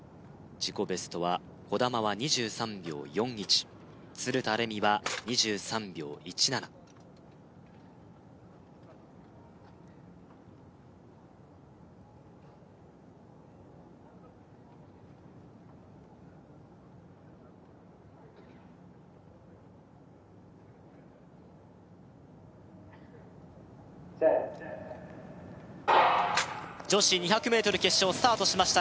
自己ベストは兒玉は２３秒４１鶴田玲美は２３秒１７Ｓｅｔ女子２００ｍ決勝スタートしました